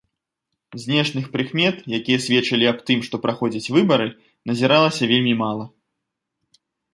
Знешніх прыкмет, якія сведчылі аб тым, што праходзяць выбары, назіралася вельмі мала.